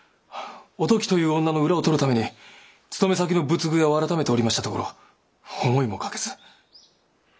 お時という女の裏を取るために勤め先の仏具屋をあらためておりましたところ思いもかけず。